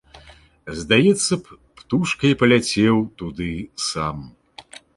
Здаецца б, птушкай паляцеў туды сам.